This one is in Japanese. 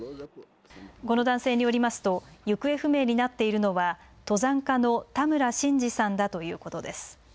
この男性によりますと行方不明になっているのは登山家の田村真司さんだということです。